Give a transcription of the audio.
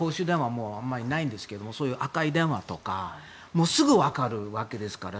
もうあまりないんですがそういう赤い電話とかもうすぐわかるわけですから。